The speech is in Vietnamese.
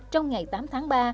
trong ngày tám tháng ba